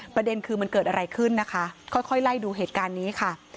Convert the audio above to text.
ประเด็นคือมันเกิดอะไรขึ้นนะคะค่อยไล่ดูเหตุการณ์นี้ค่ะ